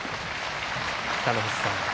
北の富士さん